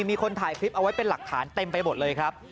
มีคนถ่ายคลิปเอาไว้เป็นหลักฐานเต็มไปหมดเลยครับ